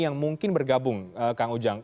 yang mungkin bergabung kang ujang